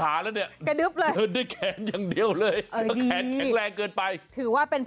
โอ้หกเดือน